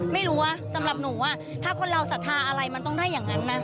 ไม่รู้สำหรับหนูถ้าคนเราสาธารณ์อะไรมันต้องได้อย่างนั้น